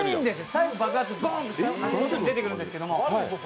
最後、爆発、ぼんっと出てくるんですけども。